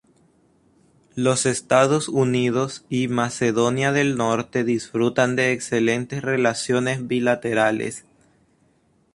Los Estados Unidos y Macedonia del Norte disfrutan de excelentes relaciones bilaterales.